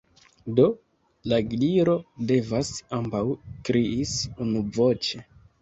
"Do, la Gliro devas," ambaŭ kriis unuvoĉe.